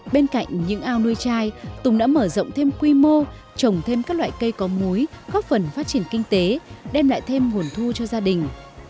bên cạnh những ao nuôi chai tùng đã mở rộng thêm quy mô trồng thêm các loại cây có múi góp phần phát triển kinh tế đem lại thêm nguồn thu cho gia đình